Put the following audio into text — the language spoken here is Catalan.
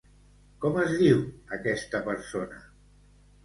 Com es diu, aquesta persona?